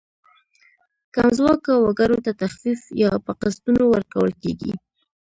کم ځواکه وګړو ته تخفیف یا په قسطونو ورکول کیږي.